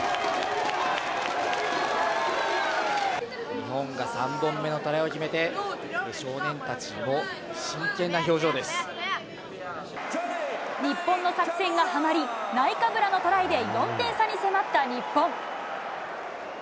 日本が３本目のトライを決め日本の作戦がはまり、ナイカブラのトライで４点差に迫った日本。